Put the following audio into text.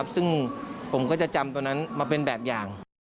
ซึ่งผมก็จะจำตัวนั้นมาเป็นแบบอย่าง